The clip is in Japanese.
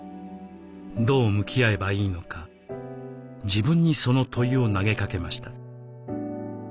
どう向き合えばいいのか自分にその問いを投げかけました。